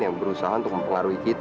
yang berusaha untuk mempengaruhi kita